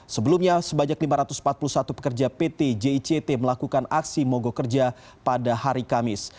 sebelumnya sebanyak lima ratus empat puluh satu pekerja pt jict melakukan aksi mogok kerja pada hari kamis